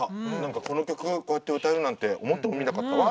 この曲こうやって歌えるなんて思ってもみなかったわ。